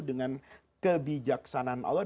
dengan kebijaksanaan allah